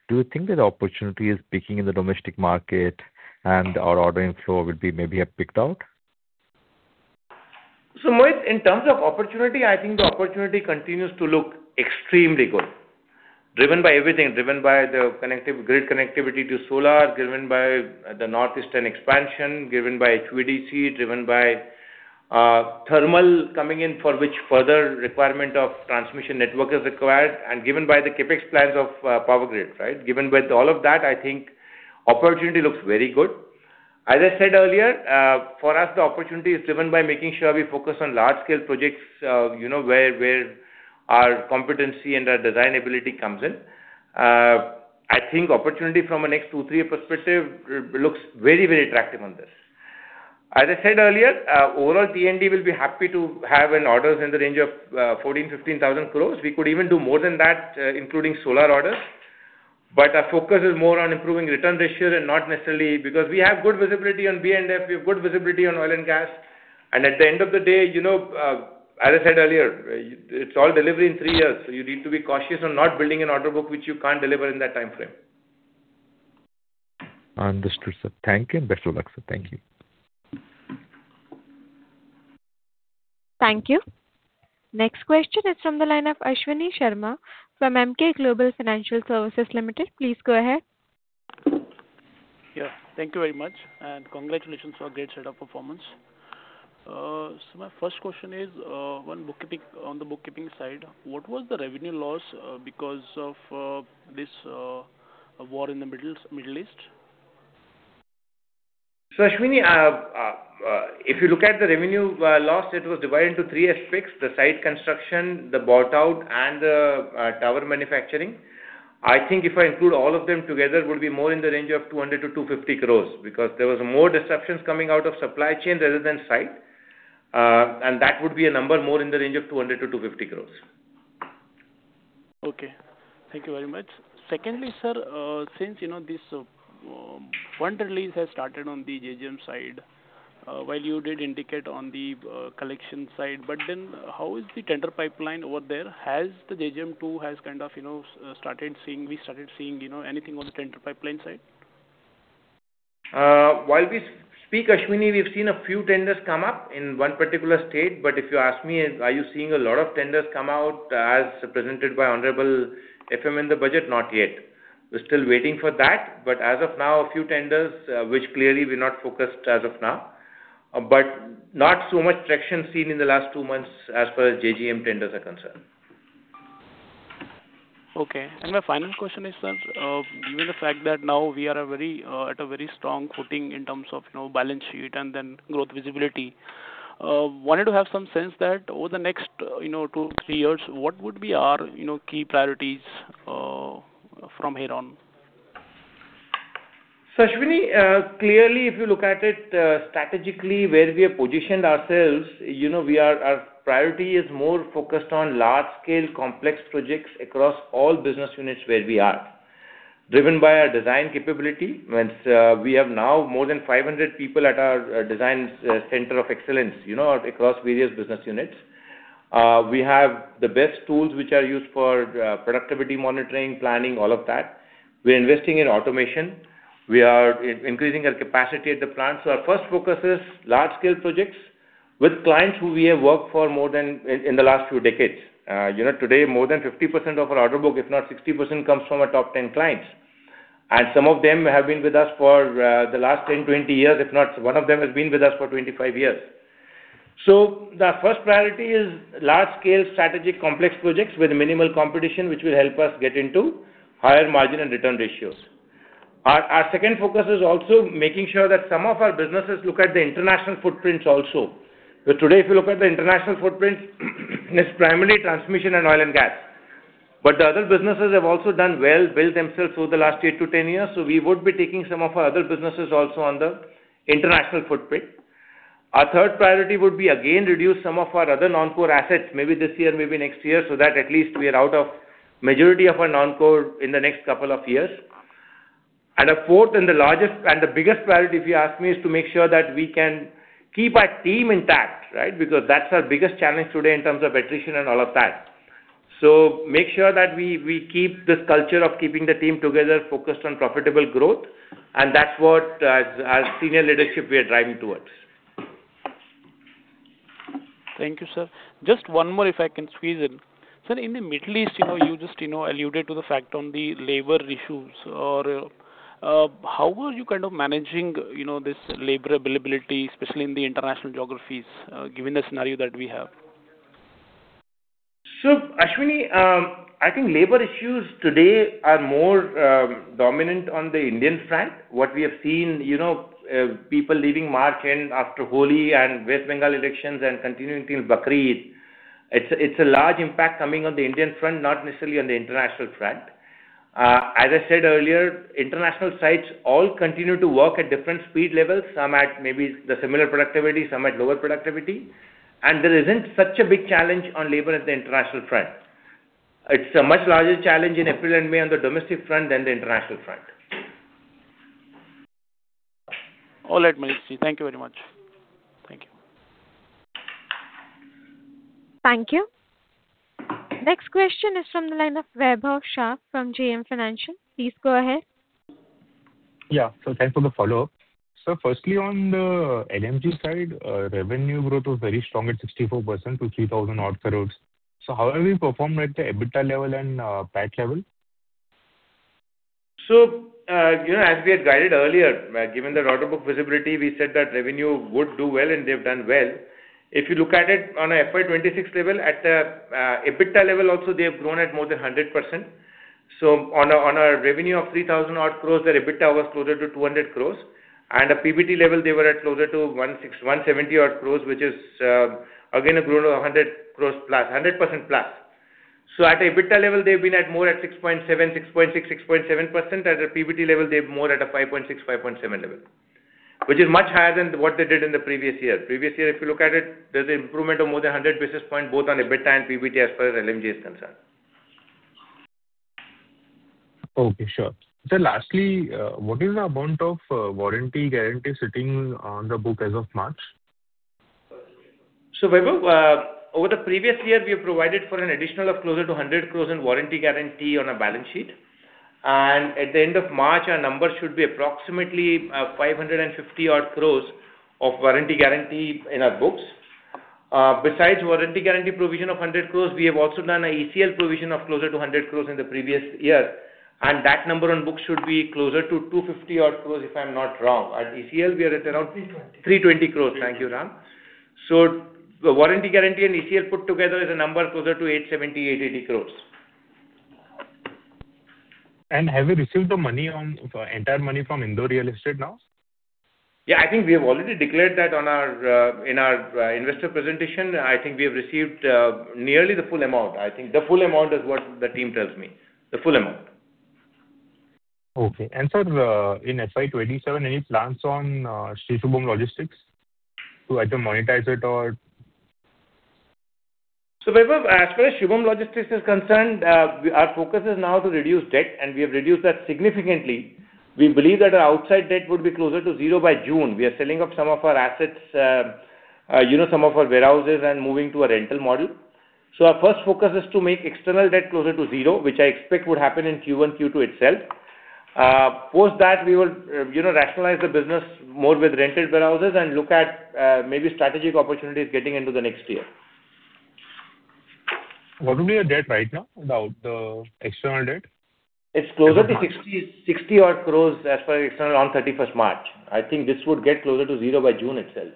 Do you think that the opportunity is peaking in the domestic market and our order inflow would be maybe have peaked out? Mohit, in terms of opportunity, I think the opportunity continues to look extremely good, driven by everything. Driven by grid connectivity to solar, driven by the northeastern expansion, driven by HVDC, driven by thermal coming in for which further requirement of transmission network is required, and driven by the CapEx plans of Power Grid, right? Given with all of that, I think opportunity looks very good. As I said earlier, for us, the opportunity is driven by making sure we focus on large scale projects, you know, where our competency and our design ability comes in. I think opportunity from a next two, three year perspective looks very, very attractive on this. As I said earlier, overall T&D will be happy to have an orders in the range of 14,000 crores-15,000 crores. We could even do more than that, including solar orders. Our focus is more on improving return ratio and not necessarily Because we have good visibility on B&F, we have good visibility on oil and gas. At the end of the day, you know, as I said earlier, it's all delivery in three years, so you need to be cautious on not building an order book which you can't deliver in that timeframe. Understood, sir. Thank you and best of luck, sir. Thank you. Thank you. Next question is from the line of Ashwani Sharma from Emkay Global Financial Services Limited. Please go ahead. Yeah. Thank you very much, congratulations for a great set of performance. My first question is on the bookkeeping side, what was the revenue loss because of this war in the Middle East? Ashwani, if you look at the revenue loss, it was divided into three aspects: the site construction, the bought out and the tower manufacturing. I think if I include all of them together, it would be more in the range of 200 crore-250 crore because there was more disruptions coming out of supply chain rather than site. And that would be a number more in the range of 200 crore-250 crore. Okay. Thank you very much. Secondly, sir, since you know this, fund release has started on the JJM side, while you did indicate on the collection side, how is the tender pipeline over there? Has the JJM two kind of, you know, started seeing, you know, anything on the tender pipeline side? While we speak, Ashwani, we've seen a few tenders come up in one particular state. If you ask me, are you seeing a lot of tenders come out as presented by honorable FM in the budget? Not yet. We're still waiting for that. As of now, a few tenders, which clearly we're not focused as of now, but not so much traction seen in the last two months as far as JJM tenders are concerned. Okay. My final question is, sir, given the fact that now we are a very, at a very strong footing in terms of, you know, balance sheet and then growth visibility, wanted to have some sense that over the next, you know, two, three years, what would be our, you know, key priorities from here on? Ashwani, clearly, if you look at it, strategically where we have positioned ourselves, you know, our priority is more focused on large scale complex projects across all business units where we are. Driven by our design capability, means, we have now more than 500 people at our designs center of excellence, you know, across various business units. We have the best tools which are used for productivity monitoring, planning, all of that. We're investing in automation. We are increasing our capacity at the plant. Our first focus is large scale projects with clients who we have worked for more than in the last 2 decades. You know, today more than 50% of our order book, if not 60%, comes from our top 10 clients. Some of them have been with us for the last 10, 20 years, if not one of them has been with us for 25 years. The first priority is large scale strategic complex projects with minimal competition, which will help us get into higher margin and return ratios. Our second focus is also making sure that some of our businesses look at the international footprints also. Today, if you look at the international footprints, it is primarily transmission and oil and gas. The other businesses have also done well, built themselves through the last eight to 10 years. We would be taking some of our other businesses also on the international footprint. Our third priority would be, again, reduce some of our other non-core assets, maybe this year, maybe next year, so that at least we are out of majority of our non-core in the next couple of years. The fourth and the largest and the biggest priority, if you ask me, is to make sure that we can keep our team intact, right? Because that's our biggest challenge today in terms of attrition and all of that. Make sure that we keep this culture of keeping the team together focused on profitable growth, and that's what as senior leadership we are driving towards. Thank you, sir. Just one more, if I can squeeze in. Sir, in the Middle East, you know, you just, you know, alluded to the fact on the labor issues or, how are you kind of managing, you know, this labor availability, especially in the international geographies, given the scenario that we have? Ashwani, I think labor issues today are more dominant on the Indian front. What we have seen, you know, people leaving March end after Holi and West Bengal elections and continuing till Bakrid. It's, it's a large impact coming on the Indian front, not necessarily on the international front. As I said earlier, international sites all continue to work at different speed levels. Some at maybe the similar productivity, some at lower productivity. There isn't such a big challenge on labor at the international front. It's a much larger challenge in April and May on the domestic front than the international front. All right, Manish ji. Thank you very much. Thank you. Thank you. Next question is from the line of Vaibhav Shah from JM Financial. Please go ahead. Thanks for the follow-up. Sir, firstly, on the LMG side, revenue growth was very strong at 64% to 3,000 odd crore. How have you performed at the EBITDA level and PAT level? You know, as we had guided earlier, given the order book visibility, we said that revenue would do well, and they've done well. If you look at it on a FY 2026 level, at the EBITDA level also, they have grown at more than 100%. On a revenue of 3,000 odd crores, their EBITDA was closer to 200 crores. At PBT level, they were at closer to 160 crores-170 odd crores, which is again grown to 100 crores plus, 100%+. At EBITDA level, they've been at more at 6.7, 6.6.7%. At a PBT level, they're more at a 5.6, 5.7 level, which is much higher than what they did in the previous year. Previous year, if you look at it, there's improvement of more than 100 basis points both on EBITDA and PBT as far as LMG is concerned. Okay. Sure. Sir, lastly, what is the amount of warranty guarantee sitting on the book as of March? Vaibhav, over the previous year, we have provided for an additional of closer to 100 crores in warranty guarantee on our balance sheet. At the end of March, our number should be approximately 550 odd crores of warranty guarantee in our books. Besides warranty guarantee provision of 100 crores, we have also done a ECL provision of closer to 100 crores in the previous year, and that number on books should be closer to 250 odd crores, if I'm not wrong. At ECL, we are at around. 320. 320 crores. Thank you, Ram. The warranty guarantee and ECL put together is a number closer to 870-880 crores. Have you received the money entire money from Indore Real Estate now? Yeah. I think we have already declared that on our, in our, investor presentation. I think we have received, nearly the full amount, I think. The full amount is what the team tells me. The full amount. Okay. Sir, in FY 2027, any plans on Shubham Logistics to either monetize it or? Vaibhav, as far as Shubham Logistics is concerned, our focus is now to reduce debt, and we have reduced that significantly. We believe that our outside debt would be closer to zero by June. We are selling off some of our assets, you know, some of our warehouses and moving to a rental model. Our first focus is to make external debt closer to zero, which I expect would happen in Q1, Q2 itself. Post that, we will, you know, rationalize the business more with rented warehouses and look at, maybe strategic opportunities getting into the next year. What would be your debt right now without the external debt? It's closer to 60 odd crores as per external on 31st March. I think this would get closer to 0 by June itself.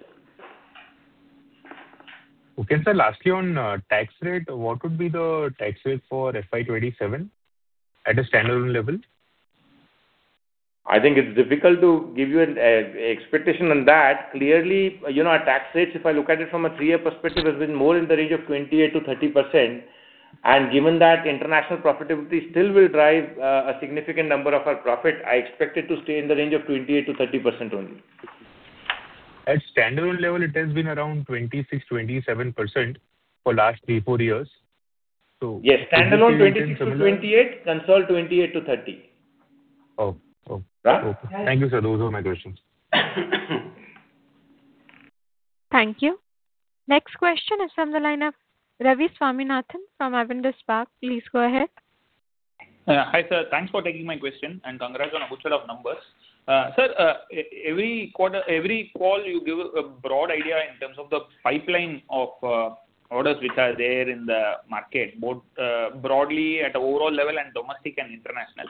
Okay, sir. Lastly, on tax rate, what would be the tax rate for FY 2027 at a standalone level? I think it's difficult to give you an expectation on that. Clearly, you know, our tax rates, if I look at it from a three-year perspective, has been more in the range of 28%-30%. Given that international profitability still will drive a significant number of our profit, I expect it to stay in the range of 28%-30% only. At standalone level, it has been around 26, 27% for last three, four years. Yes. Standalone 26-28, consult 28-30. Oh. Yeah. Thank you, sir. Those were my questions. Thank you. Next question is from the line of Ravi Swaminathan from Avendus Spark. Please go ahead. Hi, sir. Thanks for taking my question, and congrats on a good set of numbers. Sir, every call you give a broad idea in terms of the pipeline of orders which are there in the market, both broadly at overall level and domestic and international.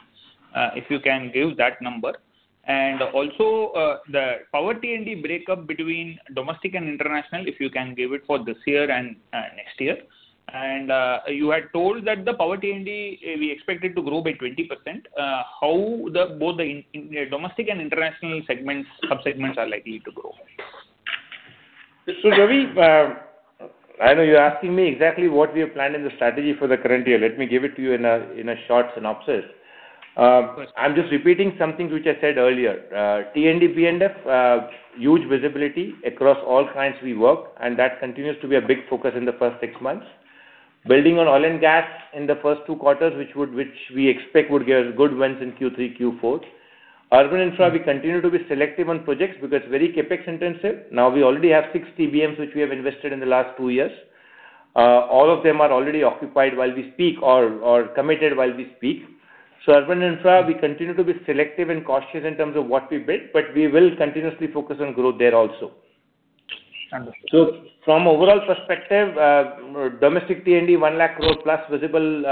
If you can give that number. Also, the power T&D breakup between domestic and international, if you can give it for this year and next year. You had told that the power T&D, we expect it to grow by 20%. How both the domestic and international segments, sub-segments are likely to grow? Ravi, I know you're asking me exactly what we have planned in the strategy for the current year. Let me give it to you in a, in a short synopsis. Of course. I'm just repeating some things which I said earlier. T&D, B&F, huge visibility across all clients we work, and that continues to be a big focus in the first six months. Building on oil and gas in the first 2 quarters, which we expect would give us good wins in Q3, Q4. Urban infra, we continue to be selective on projects because very CapEx-intensive. Now, we already have 6 TBMs which we have invested in the last two years. All of them are already occupied while we speak or committed while we speak. Urban infra, we continue to be selective and cautious in terms of what we bid, but we will continuously focus on growth there also. Understood. From overall perspective, domestic T&D, 1 lakh crore plus visible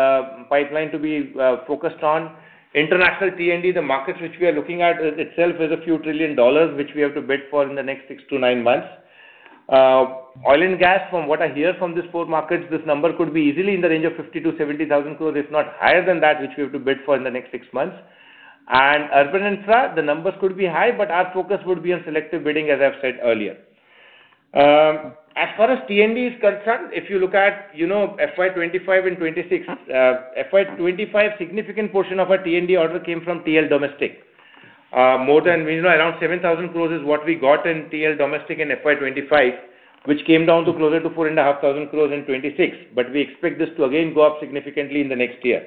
pipeline to be focused on. International T&D, the markets which we are looking at itself is a few trillion dollars, which we have to bid for in the next six to nine months. Oil and gas, from what I hear from these 4 markets, this number could be easily in the range of 50,000 crores-70,000 crores, if not higher than that, which we have to bid for in the next six months. Urban infra, the numbers could be high, but our focus would be on selective bidding, as I've said earlier. As far as T&D is concerned, if you look at FY 2025 and 2026, FY 2025, significant portion of our T&D order came from TL domestic. More than, you know, around 7,000 crores is what we got in TL domestic in FY 2025, which came down to closer to 4,500 crores in 2026. We expect this to again go up significantly in the next year.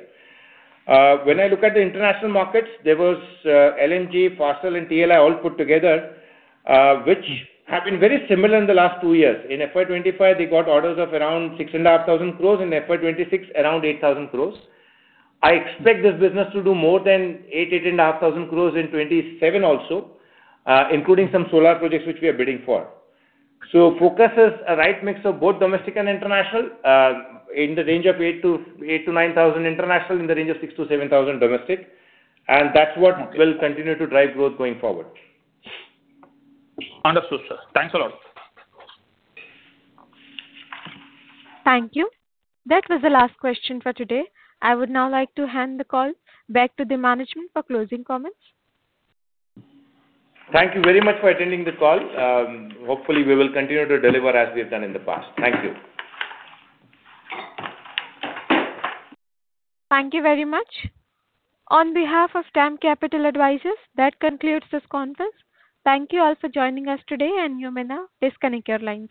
When I look at the international markets, there was [LMG], Fasttel and TLI all put together, which have been very similar in the last two years. In FY 2025, they got orders of around 6,500 crores. In FY 2026, around 8,000 crores. I expect this business to do more than 8,500 crores in 2027 also, including some solar projects which we are bidding for. Focus is a right mix of both domestic and international, in the range of 8,000-9,000 international, in the range of 6,000-7,000 domestic. That's what will continue to drive growth going forward. Understood, sir. Thanks a lot. Thank you. That was the last question for today. I would now like to hand the call back to the management for closing comments. Thank you very much for attending the call. Hopefully we will continue to deliver as we've done in the past. Thank you. Thank you very much. On behalf of DAM Capital Advisors, that concludes this conference. Thank you all for joining us today, and you may now disconnect your lines.